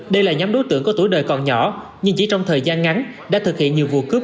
đây là nhóm đối tượng có tuổi đời còn nhỏ nhưng chỉ trong thời gian ngắn đã thực hiện nhiều vụ cướp